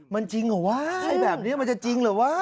มันจริงเหรอวะแบบนี้มันจะจริงเหรอวะ